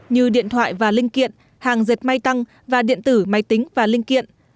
như điện thoại và linh kiện hàng dệt may tăng và điện tử máy tính và linh kiện